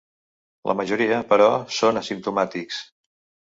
La majoria, però, són asimptomàtics.